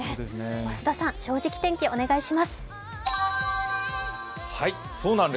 増田さん、「正直天気」お願いします。